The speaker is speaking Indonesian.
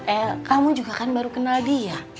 eh kamu juga kan baru kenal dia